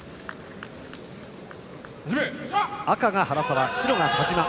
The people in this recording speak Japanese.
赤が原沢、白が田嶋。